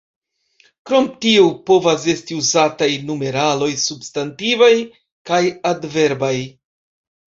Krom tio povas esti uzataj numeraloj substantivaj kaj adverbaj.